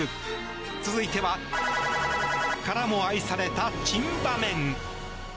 続いては、○○からも愛された珍場面。